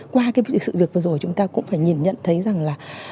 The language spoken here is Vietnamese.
qua cái sự việc vừa rồi chúng ta cũng phải nhìn nhận thấy rằng là